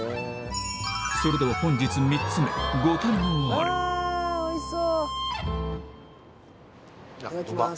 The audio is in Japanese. それでは本日３つ目ご堪能あれあぁ！